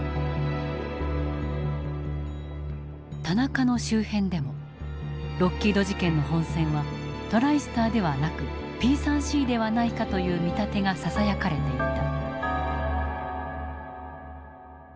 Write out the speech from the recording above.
田中の周辺でもロッキード事件の本線はトライスターではなくＰ３Ｃではないかという見立てがささやかれていた。